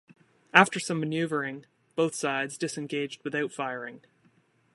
After some maneuvering, both sides disengaged without firing.